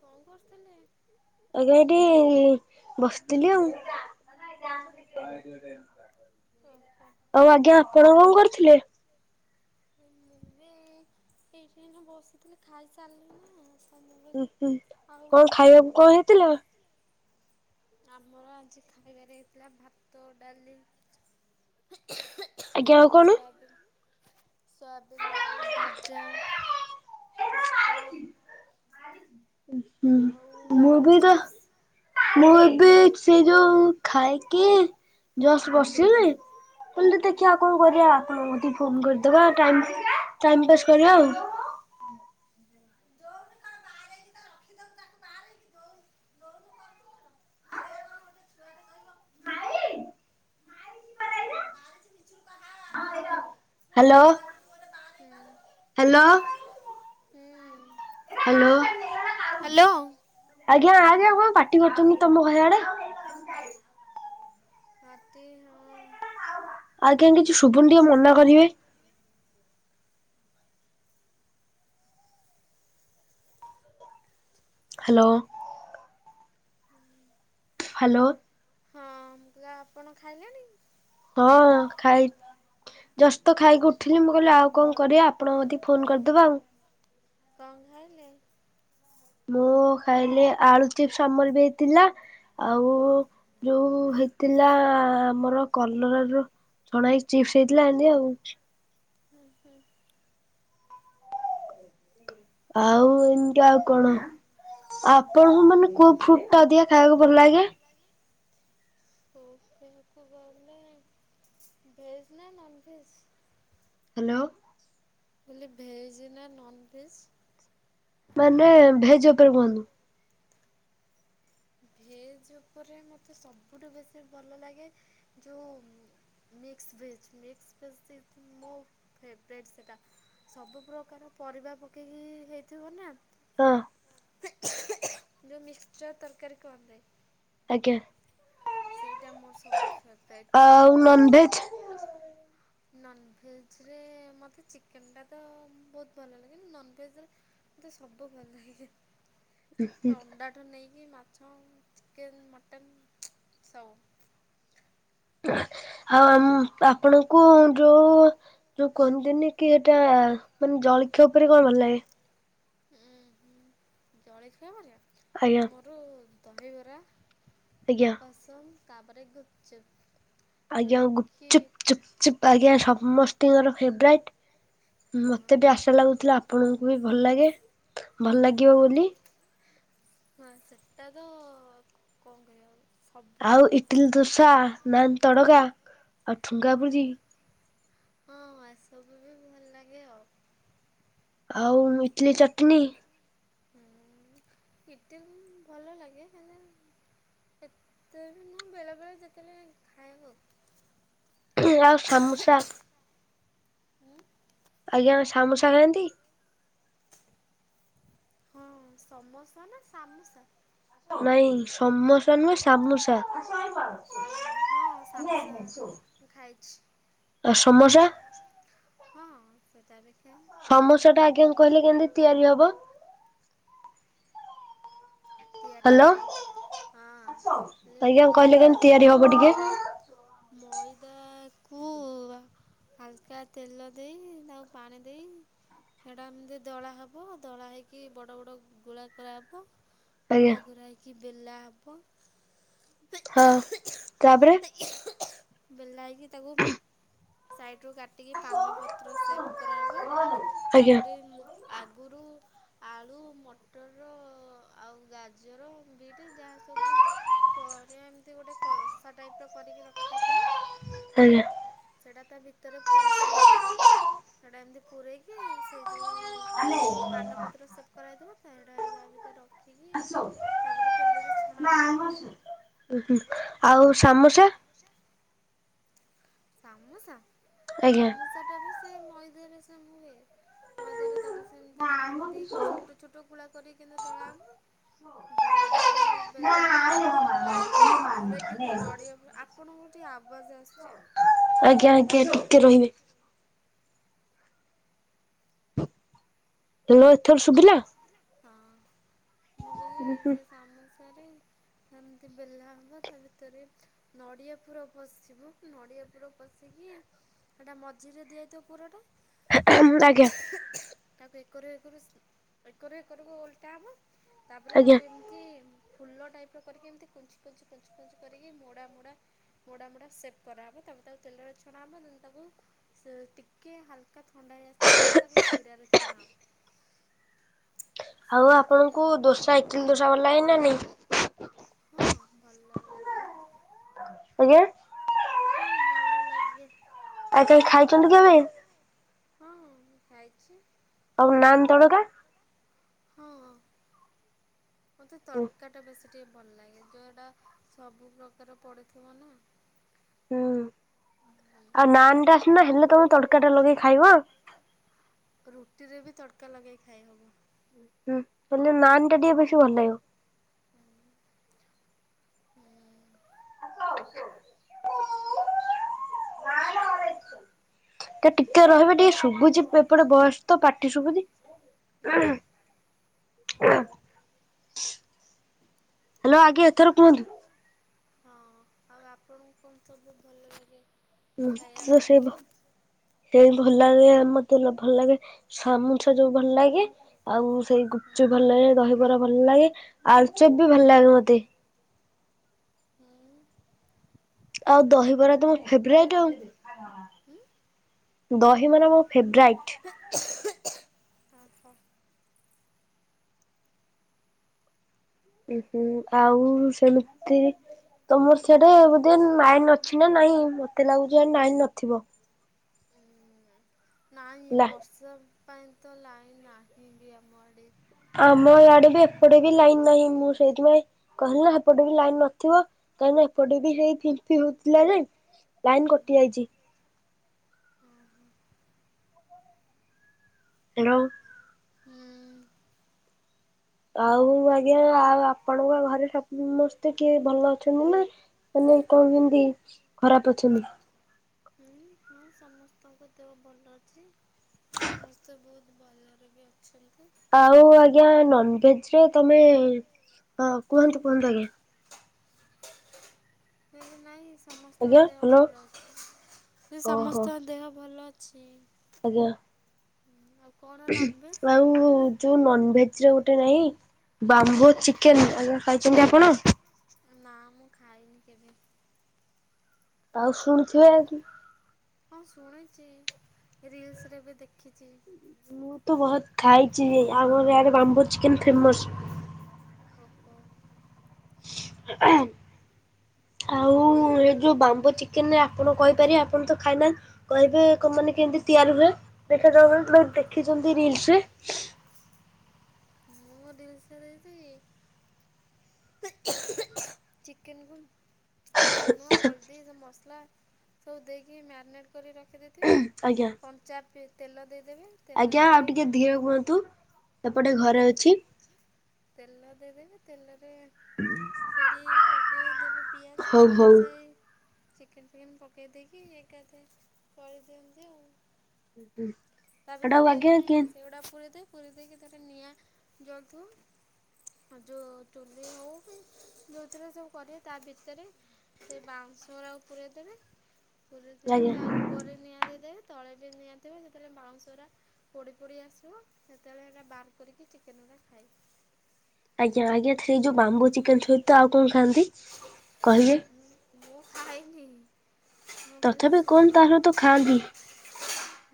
କଣ କରୁଥିଲେ? ଆଜ୍ଞା ଏଇଠି ବସିଥିଲି ଆଉ। ଆଉ ଆଜ୍ଞା ଆପଣ କଣ କରୁଥିଲେ? ମୁଁ ବି ଏଇଠି ଏନା ବସିଥିଲି ଖାଇସାରିଲି ଆଉ। ହୁଁ ହୁଁ କଣ ଖାଇବାକୁ କଣ ହେଇଥିଲା? ଆମର ଆଜି ଖାଇବାରେ ହେଇଥିଲା ଭାତ ଡାଲି ସୋୟାବିନ। ସୋୟାବିନ, ଆଳୁ ଭଜା, ଖଟା ଉଁ ହୁଁ ମୁଁ ବି ତ। ମୁଁ ଏବେ ସେ ଯୋଉ ଖାଇକି ଜସ୍ ବସିଲି। [unintelligible] ଦେଖିବା ଆଉ କଣ କରିବା ଆପଣଙ୍କ କତିକି ଫୋନ କରିଦବା ଟାଇମ ଟାଇମ୍ ପାସ୍ କରିବା ଆଉ। Hello hello. ହାଲୋ ଆଜ୍ଞା ଆଜ୍ଞା। କଣ ପାଟି କରୁଛନ୍ତିି ତମ ଘର ଆଡେ? ରାତି ହଁ। ଆଜ୍ଞା କିଛି ଶୁଭୁନି ଟିକେ ମନା କରିବେ। ହାଲୋ। ହାଲୋ। ହଁ ମୁଁ [unintelligible] ଆପଣ ଖାଇଲେଣି। ହଁ ଖାଇ ଜସ୍ ତ ଖାଇକି ଉଠିଲି ମୁଁ କହିଲି ଆଉ କଣ କରିବା ଆପଣଙ୍କ କତୀକି ଫୋନ କରିଦବା ଆଉ। କଁ ଖାଇଲେ? ମୁଁ ଖାଇଲି ଆଳୁ ଚିପ୍ସ, ସମଲ ବି ହେଇଥିଲା। ଆଉ ଯୋଉ ହେଇଥିଲା ଆମର କଲରାର। ଛଣା ହେଇ ଚିପ୍ସ ହେଇଥିଲା ଏମିତି ଆଉ। ହୁଁ ହୁଁ। ଆଉ ଏମିତି ଆଉ କଣ? ଆପଣଙ୍କୁ ମାନେ କୋଉ ଫ୍ରୁଟ ଟା ଅଧିକା ଖାଇବାକୁ ଭଲ ଲାଗେ? ଏକୁ ଗଲେ। ଭେଜ୍ ନା ନନ୍ ଭେଜ୍। ହାଲୋ। ବେଲେ ଭେଜ ନା ନନ ଭେଜ। ମାନେ ଭେଜ ଉପରେ କୁହନ୍ତୁ। ଭେଜ ଉପରେ ମୋତେ ସବୁଠୁ ବେଶୀ ଭଲ ଲାଗେ ଯଉଁ। ମିକ୍ସ ଭେଜ୍ ମିକ୍ସ ଭେଜ୍ [unintelligible] ମୋ ଫେବରେଟ୍ ସେଟା। ସବୁ ପ୍ରକାର ପରିବା ପକେଇକି ହେଇଥିବ ନା। ହଁ। ଯୋଉ ମିକ୍ସଚର ତରକାରୀ କହନ୍ତି। ଆଜ୍ଞା। ସେଇଟା ମୋର ସବୁଠୁ ଫେବରେଟ୍। Non veg. ନନଭେଜରେ ମତେ ଚିକେନ ଟା ତ ବହୁତ ଭଲ ଲାଗେ [unintelligible] ନନଭେଜରେ। ମତେ ସବୁ ଭଲ ଲାଗେ। ଅଣ୍ଡାଠୁ ନେଇକି ମାଛ, ଚିକେନ୍, ମଟନ୍ ସବୁ। ଆମ ଆପଣଙ୍କୁ ଯୋଉ। ଯୋଉ କୁହନ୍ତିନି କି ଏଟା ମାନେ ଜଳଖିଆ ଉପରେ କଣ ଭଲ ଲାଗେ। ହୁଁ ହୁଁ ଜଳଖିଆ ଉପରେ। ଆଜ୍ଞା। ମୋର ଦହିବରା। ଆଜ୍ଞା। ପସନ୍ଦ ତାପରେ ଗୁପଚୁପ। ଆଜ୍ଞା ଗୁପ ଚୁପ ଚୁପ। ଚୁପ ଆଜ୍ଞା ସମସ୍ତଙ୍କର ଫେବରେଟ୍ ମତେ ବି ଆଶା ଲାଗୁଥିଲା। ଆପଣଙ୍କୁ ବି ଭଲ ଲାଗେ ଭଲ ଲାଗିବ ବୋଲି। [unintelligible] ଆଉ ଇଟିଲି ଦୋସା, ନାନ୍ ତଡକା। ହଁ, ହଁ ସବୁ ବି ଭଲ ଲାଗେ ଆଉ। ଆଉ ଇଟିଲି ଚଟ୍ ଣି ଇଟିଲି ଭଲ ଲାଗେ, ହେଲେ ସେତେ ବି ମୁଁ ବେଳେବେଳେ ଯେତେବଳେ ଖାଇବୁ [unintelligible] ଆଉ ସମୋସା। ଆଜ୍ଞା ସାମୁସା ଖାଆନ୍ତି? ହଁ, ସମୋଷା ନା ସାମୋସା? ନାଇଁ ସମୋସା ନୁହେଁ ସାମୋସା? ଓହ ହଁ, ସାମସା ମୁଁ ଖାଇଛି। ହଁ ସେଟା ବି ଖାଏ। ସାମୋସା ଟା ଆଜ୍ଞା କହିଲେ କେମିତି ତିଆରି ହବ? ତିଆରି ହେବ, ହଁ ହେଲେ ମଇଦା ମଇଦା କୁ ହାଲ୍ କା ତେଲ ଦେଇ, ତାକୁ ପାଣି ଦେଇ ସେଇଟା ଏମିତି ଦଳା ହେବ, ଦଳା ହେଇକି, ବଡ଼ ବଡ଼ ଗୁଳା କରାହବ ଗୁଳା କରା ହେଇକି ବେଲା ହେବ ତାପରେ? ବେଲା ହେଇକି ତାକୁ ସାଇଟ୍ ରୁ କାଟିକି ପାନପତ୍ର ସେପ୍ କରାହେବ, ତାପରେ ଆଗରୁ ଆଳୁ, ମଟର ଆଉ ଗାଜର, ବିଟ୍ ଯାହା ସବୁ ପରେ ଏମିତି ଗୋଟେ କସା ଟାଇପ୍ ର କରିକି ରଖା ହେଇଥିବ ଆଜ୍ଞା। ସେଟା ତା ଭିତରେ ପସିବା ପାଇଁ। ସେଇଟା ଏମିତି ପୁରେଇକି ସେଇ ଯେଉଁ ପାନ ପତ୍ର ସେପ୍ କରାହେଇଥିବ, ତହିଁରେ ଏଗୁଡ଼ାକ ଭିତରେ ରଖ୍ ରଖିକି, ତାପରେ ତେଲରେ ଛଣା ହେବ ଆଉ। ଉ ଆଉ ସାମୁସା? ସାମୋସା, ସାମୋସାଟା ବି ସେ ମଇଦାରେ ସେ ହୁଏ, ମଇଦାରେ ତାକୁ ସେମିତି ପାଣି ଦେଇକି, ଛୋଟ ଛୋଟ ଗୁଳା କରିକି କେନ୍ତି ଦଳା ହେବ ଦଳା ହେଇକି ବେଲା ହୁଏ, ତା ଭିତ୍ ଦରେ କିନ୍ତୁ ନଡ଼ିଆ, ପାଇଁ ଆପଣଙ୍କୁ ଟିକେ ଆବାଜ୍ ଆସୁଛି। ଆଜ୍ଞା ଆଜ୍ଞା, ଟିକେ ରହିବେ। ହାଲୋ, ଏଥର ଶୁବିଲା? ହଁ, ମୁଁ କହିଲି ସେ ସାମୁସାରେ ସେମିତି ବେଲା ହେବ, ତା ଭିତରେ ନଡ଼ିଆ ପୁର ପଶିବ, ନଡ଼ିଆ ପୁର ପଶିକି ସେଇଟା ମଝିରେ ଦିଆହେଇଥିବ ପୁରାଟା ଆଜ୍ଞା। ତାକୁ ଏକରେ ଏକରୁ, ଏକରେ ଏକରକୁ ଓଲଟା ହେବ, ତାପରେ ତାକୁ ଏମିତି କି ଫୁଲ ଟାଇପ୍ ର କରିକି, ଏମିତି କୁଞ୍ଚିୁ କୁଞ୍ଚି କୁଞ୍ଚି କରିକି ମୋଡ଼ା ମୋଡ଼ା ମୋଡ଼ା ମୋଡ଼ା ସେପ୍ କରାହବ, ତାପରେ ତାକୁ ତେଲରେ ଛଣା ହବ, ନହେଲେ ତାକୁ ସେ ଟିକେ ହାଲକା ଥଣ୍ଡା ହେଇ ଆସିଲା ପରେ, ତାକୁ ଶିରାରେ ଛଣା ହେବ। ଆଉ ଆପଣଙ୍କୁ ଦୋସା, ଇଟିଲି ଦୋସା ଭଲ ଲାଗେ ନା ନାଇଁ? ହଁ ଭଲ ଲାଗେ। [unintelligible] ଆଜ୍ଞା। ହଁ ଭଲ ଲାଗେ। ଆଜ୍ଞା ଖାଇଚନ୍ତି କେବେ? ହଁ ମୁଁ ଖାଇଛି। ଆଉ ନାନ ତଡ଼କା? ହଁ [unintelligible] ମତେ ତଡ଼କାଟା ବେଶୀ ଟିକେ ଭଲ ଲାଗେ ଯୋଉଁଟା ସବୁ ପ୍ରକାର ପଡ଼ିଥିବ ନା ହୁଁ ଆଉ ନାନଟା ସିନା ହେଲେ ତମେ ତଡ଼କାଟା ଲଗେଇ ଖାଇବ। ରୁଟିରେ ବି ତଡ଼କା ଲଗେଇ ଖାଇହବ। ହୁଁ ହେଲେ ନାନଟା ଟିକେ ବେଶୀ ଭଲ ଲାଗିବ। ହୁଁ। [unintelligible] [unintelligible] ତ ଟିକେ ରହିବେ ଟିକେ ଶୁଭୁଚି ଏପଟେ ବସ୍ ତ ପାଟି ଶୁଭୁନି। [unintelligible] ହ୍ୟାଲୋ ଆଜ୍ଞା ଏଥର କୁହନ୍ତୁ। ହଁ ଆଉ ଆପଣଙ୍କୁ କଣ ସବୁ ଭଲ ଲାଗେ? ସେ ସେଇ ଭଲ ଲାଗେ ମତେ ନ ଭଲ ଲାଗେ ସମସା ଯୋଉ ଭଲ ଲାଗେ। ଆଉ ସେଇ ଗୁପଚୁପ୍ ଭଲ ଲାଗେ, ଦହିବରା ଭଲ ଲାଗେ, ଆଳୁଚପ ବି ଭଲ ଲାଗେ ମତେ। ଆଉ ଦହିବରା ତ ମୋ ଫେବରାଇଟ୍ ଆଉ [unintelligible] ଦହିବରା ମୋ ଫେବରାଇଟ୍। ଉ ହୁଁ ଆଉ ସେମିତି ତମର ସିଆଡେ ବୋଧେ ନାଇନ ଅଛି ନା ନାଇଁ ମତେ ଲାଗୁଛି ନାଇନ ନଥିବ। ନାହିଁ ବର୍ଷା ପାଇଁ ତ ଲାଇନ୍ ନାହିଁ ବି ଆମ ଆଡ଼େ। ଆମ ଇଆଡେ ବି ଏପଟେ ବି ଲାଇନ ନାହିଁ ମୁଁ ସେଇଥିପାଇଁ କହିଲେ ସେପଟେ ବି ଲାଇନ୍ ନଥିବ କାହିଁକି ଏପଟେ ବି ସେଇ ଫି ପି ହଉଥିଲା ଯେ ଲାଇନ୍ କଟି ଯାଇଚି। ହ୍ୟାଲୋ। ଆଉ, ଆଜ୍ଞା ଆଉ ଆପଣଙ୍କ ଘରେ ସମସ୍ତେ କିଏ ଭଲ ଅଛନ୍ତି ନା? ମାନେ କଣ କେମତି ଖରାପ ଅଛନ୍ତି? ହଁ ସମସ୍ତଙ୍କ ଦେହ ଭଲ ଅଛି। ସମସ୍ତେ ବହୁତ ଭଲରେ ବି ଅଛନ୍ତି। ଆଉ ଆଜ୍ଞା ନନଭେଜରେ ତମେ ହଁ କୁହନ୍ତୁ କୁହନ୍ତୁ ଆଜ୍ଞା ଭେରିନାଇସ୍। ସମସ୍ତଙ୍କ ଦେହ ଭଲ ଅଛି ସେ ସମସ୍ତଙ୍କ ଦେହ ଭଲ ଅଛି। ଆଜ୍ଞା। [unintelligible] ଆଉ ଯୋଉ ନନଭେଜରେ ଗୋଟେ ନାହିଁ ବାମ୍ବୋ ଚିକେନ୍ ଖାଇଚନ୍ତି ଆପଣ? ନା ମୁଁ ଖାଇନି କେବେ। ଆଉ ଶୁଣୁଥିବେ। ହଁ ଶୁଣିଚି ରିଲ୍ସରେ ବି ଦେଖିଛି। ମୁଁ ତ ବହୁତ ଖାଇଚି ଆମର ଇଆଡ଼େ ବାମ୍ବୋ ଚିକେନ୍ ଫେମସ୍। ଓହୋ। ଆଉ? ଉଁ ଏ ଯୋଉ ବାମ୍ବୋ ଚିକେନରେ ଆପଣ କହିପାରିବେ ଆପଣ ତ ଖାଇନାହାନ୍ତି। କହିବେ କମାନେ କେମିତି ତିଆରି ହୁଏ, ଦେଖାଯାଉନା [unintelligible] ଦେଖିଛନ୍ତି ରିଲ୍ସରେ। ମୁଁ ରିଲ୍ସରେ ଦେଖିଚି। ଚିକେନକୁ, ଲୁଣ, ହଳଦୀ, ସେ ମସଲା। ସବୁ ଦେଇକି ମ୍ୟାରିନେଟ୍ କରି ରଖିଦେଇଥିବେ। ଆଜ୍ଞା। କଞ୍ଚା ପି ତେଲ ଦେଇଦେବେ। ଆଜ୍ଞା ଆଉ ଟିକେ ଧିରେ କୁହନ୍ତୁ? ପୁଣି ତେ, ତେଲ ଦେଇଦେବେ ତେଲରେ ସେଠି ପକେଇ ଦେବେ ପିଆଜ [unintelligible] ସେଇ ଚିକେନ୍ ଫିକେନ୍ ପକେଇ ଦେଇକି ଏକାଥରେ କରିଦିଅନ୍ତି ଆଉ। ତା ଭିତରେ ନାଇଁ ସେଗୁଡ଼ା ପୁରେଇ ଦେଇ ପୁରେଇ ଦେଇକି ଭିତରେ ନିଆଁ ଜଳୁଥୁବ। ଆଉ ଯୋଉ ଚୁଲି ହଉକି ଯୋଉଥିରେ ସବୁ କରିବେ ତା ଭିତରେ ସେ ବାଉଁଶରାକୁ ପୁରେଇଦେବେ ପୁରେଇ ଦେଇକି ତା ଉପରେ ନିଆଁ ଦେଇଦେବେ। ତଳେ ଯୋଉ ନିଆଁ ଥିବ ଯେତଳେ ବାଉଁଶରା ପୋଡ଼ି ପୋଡ଼ି ଆସିବ ସେତେଳେ ହେଟା ବାହାର କରିକି ଚିକେନ୍ ଗୁଡ଼ା ଖାଏ। ଆଜ୍ଞା ଆଜ୍ଞା ସେଇ ଯୋଉ ବାମ୍ବୋ ଚିକେନ୍ ସହିତ ଆଉ କଣ ଖାଆନ୍ତି? ଉଁ ମୁଁ ଖାଇନି। ମୁଁ ଖାଲି ଶୁଣିଛି,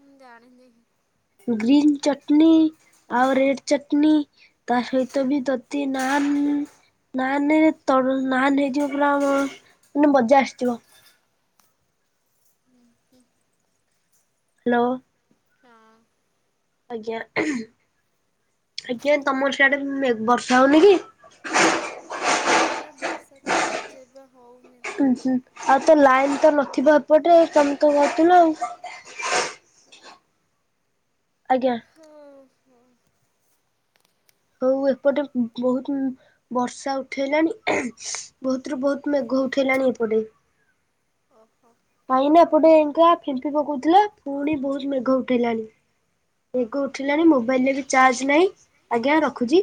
ମୁଁ ଜାଣିନି। ଗ୍ରୀନ୍ ଚଟ୍ନି ଆଉ ରେଡ଼ ଚଟ୍ନି। ତା ସହିତ ବି ତତି ନାନ୍ ନାନ୍, ତଡ଼, ନାନ୍ ହେଇଯିବ ପୁରା ମଁ ମାନେ ମଜା ଆସିଯିବ। ହ୍ୟାଲୋ ହଁ ଆଜ୍ଞା, ଆଜ୍ଞା ତମର ସେଆଡେ ମେଗ୍ ବର୍ଷା ହଉନି କି? ନାଁ ଆମ ଆଡ଼େ ବର୍ଷା ଛାଡ଼ିଚି ଏବେ ହଉନି। ହୁଁ ହୁଁ ଆଉ ତ ଲାଇନ୍ ତ ନଥିବ ଏପଟେ, ତମେ କଣ କରୁଥୁଲ ଆଉ? ଆଜ୍ଞା। ହଁ ହୁଁ ହଉ ଏପଟେ ବହୁତୁଁ ବର୍ଷା ଉଠେଇଲାଣି, ବହୁତରୁ ବହୁତ ମେଘ ଉଠେଇଲାଣି ଏପଟେ। ଓହୋ। କାହିଁନା ଏପଟେ ଏମିତିଆ ଫିମ୍ପି ପକଉଥିଲା ପୁଣି ବହୁତ ମେଘ ଉଠେଇଲାଣି। ମେଘ ଉଠିିଲାଣି ମୋବାଇଲରେ ବି ଚାର୍ଜ ନାହିଁ, ଆଜ୍ଞା ରଖୁଚି।